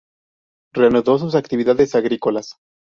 Reanudó sus actividades agrícolas.